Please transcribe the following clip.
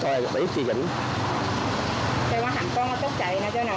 จึงว่าหังปอลละทกใจนะเจ้าหน่อย